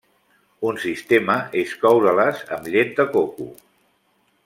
Un sistema és coure-les amb llet de coco.